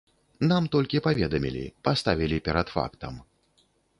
Нам толькі паведамілі, паставілі перад фактам.